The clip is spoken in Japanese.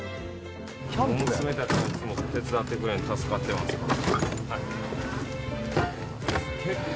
娘たちがいつも手伝ってくれるので助かってます。